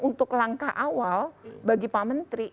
untuk langkah awal bagi pak menteri